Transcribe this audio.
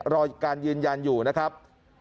รอการยืนยันอยู่นะครับ